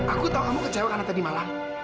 aku tahu kamu kecewa karena tadi malam